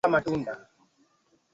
ku ku ku kupata usuluhisho